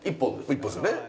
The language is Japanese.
１本ですよね。